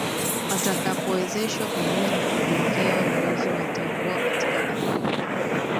Watakapowezeshwa pamoja na kujengewa uwezo watavua katika bahari kuu